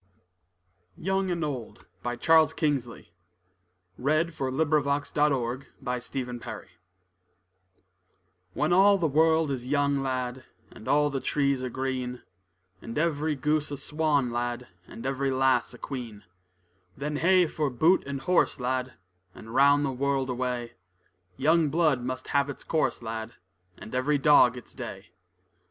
K L . M N . O P . Q R . S T . U V . W X . Y Z Young and Old from The Water Babies WHEN all the world is young, lad, And all the trees are green; And every goose a swan, lad, And every lass a queen; Then hey for boot and horse, lad, And round the world away; Young blood must have its course, lad, And every dog his day.